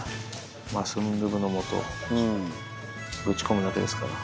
スンドゥブのもと、ぶち込むだけですから。